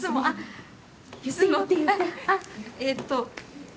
あっあっえっと。